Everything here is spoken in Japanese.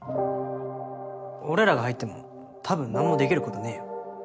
俺らが入っても多分何もできることねえよ。